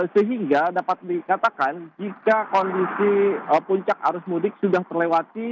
sehingga dapat dikatakan jika kondisi puncak arus mudik sudah terlewati